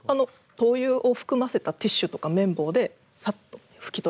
灯油を含ませたティッシュとか綿棒でさっと拭き取れば。